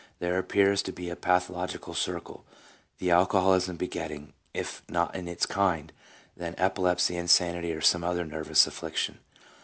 There appears to be a pathological circle, the alcoholism begetting, if not its kind, then epilepsy, insanity, or some other nervous affliction.